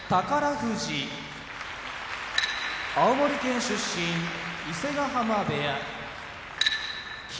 富士青森県出身伊勢ヶ濱部屋霧